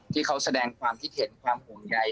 ที่เขาแสดงความพิเทศความหุ่นใย